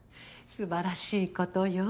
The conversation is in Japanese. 素晴らしいことよ。